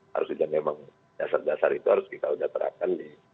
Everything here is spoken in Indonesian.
harusnya memang dasar dasar itu harus kita sudah terapkan di